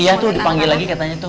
iya tuh dipanggil lagi katanya tuh